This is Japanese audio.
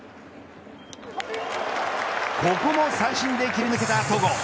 ここも三振で切り抜けた戸郷。